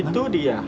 itu si atem datem